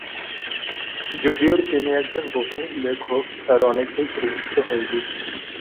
যদিও তিনি একজন বহুল লেখক, তাঁর অনেক বই প্রকাশিত হয়নি।